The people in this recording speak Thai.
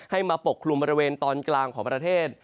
มาปกคลุมบริเวณตอนกลางของประเทศ